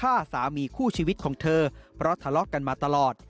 ฆ่าสามีคู่ชีวิตของเธอเพราะทะเลาะกันมาตลอด